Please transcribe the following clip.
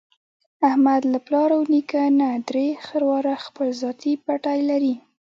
احمد له پلار او نیکه نه درې خرواره خپل ذاتي پټی لري.